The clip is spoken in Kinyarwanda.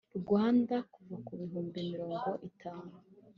Rwanda kuva ku bihumbi mirongo itanu